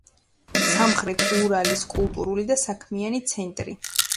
სამხრეთ ურალის კულტურული და საქმიანი ცენტრი.